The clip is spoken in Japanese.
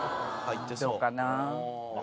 どうかな？